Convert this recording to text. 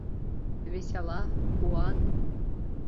весела, куан...